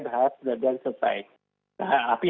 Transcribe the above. berharap mudah mudahan selesai nah tapi